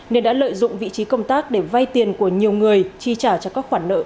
nên đã lợi dụng vị trí công tác để vay tiền của nhiều người chi trả cho các khoản nợ